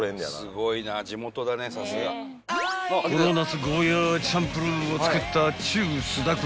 ［この夏ゴーヤーチャンプルーを作ったっちゅう菅田君］